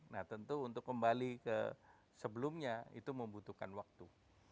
nah tentu untuk kembali ke sebelumnya itu membutuhkan waktu